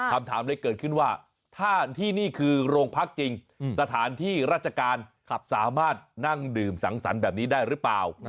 คำถามเลยเกิดขึ้นว่าถ้าที่นี่คือโรงพักจริงสถานที่ราชการสามารถนั่งดื่มสังสรรค์แบบนี้ได้หรือเปล่า